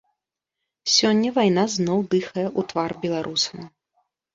Сёння вайна зноў дыхае ў твар беларусам.